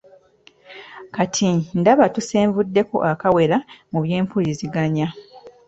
Kati ndaba tusenvuddeko akawera mu by'empuliziganya.